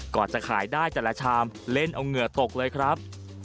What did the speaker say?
จะขายได้แต่ละชามเล่นเอาเหงื่อตกเลยครับ